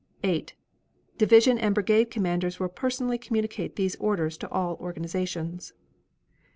8. Division and brigade commanders will personally communicate these orders to all organizations.